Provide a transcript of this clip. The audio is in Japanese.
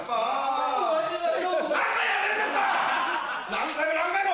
何回も何回も！